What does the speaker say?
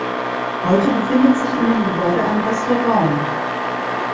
Heute befindet sich in dem Gebäude ein Restaurant.